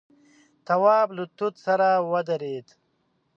تواب له توت سره ودرېد.